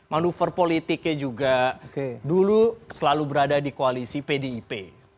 manuver politiknya juga dulu selalu berada di koalisi pdip